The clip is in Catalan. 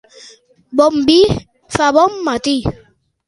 Bon vi fa bon matí.